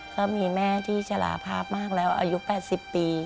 ก็มีแม่ที่ฉลาภาพมากแล้วอายุ๘๐ปี